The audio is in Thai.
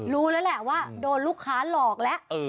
ดูแลกว่าโดนลูกค้าหลอกแล้ว